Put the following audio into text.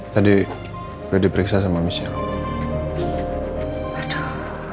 tadi sudah diperiksa sama michelle